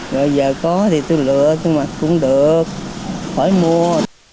rồi giờ có thì tôi lựa tôi mặc cũng được khỏi mua